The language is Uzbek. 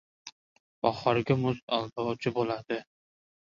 • Bahorgi muz aldovchi bo‘ladi.